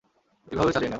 এভাবেও চালিয়ে নেও।